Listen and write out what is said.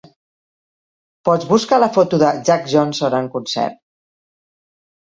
Pots buscar la foto de "Jack Johnson En Concert"?